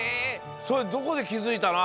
それどこできづいたの？